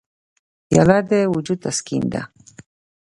پیاله د وجود تسکین ده.